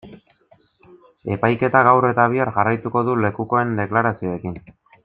Epaiketak gaur eta bihar jarraituko du lekukoen deklarazioekin.